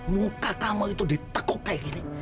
muka kamu itu ditekuk kayak gini